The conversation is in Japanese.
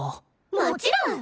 もちろん！